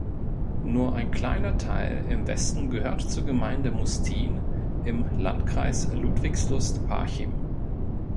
Nur ein kleiner Teil im Westen gehört zur Gemeinde Mustin im Landkreis Ludwigslust-Parchim.